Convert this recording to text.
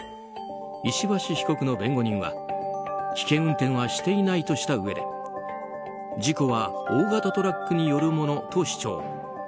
石橋被告の弁護人は、危険運転はしていないとしたうえで事故は大型トラックによるものと主張。